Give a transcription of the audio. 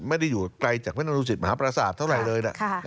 ไม่ได้อยู่ไกลจากพระนรุสิตมหาประสาทเท่าไหร่เลยนะ